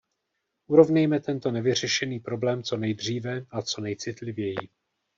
Urovnejme tento nevyřešený problém co nejdříve a co nejcitlivěji.